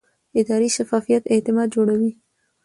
اداري شفافیت اعتماد جوړوي